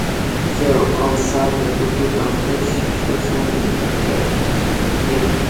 زه اوڅار د کوټي پوهنتون پښتو څانګي زدهکړيال یم.